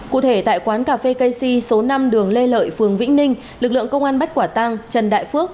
cụ thể tại quán cà phê kcy số năm đường lê lợi phường vĩnh ninh lực lượng công an bắt quả tăng trần đại phước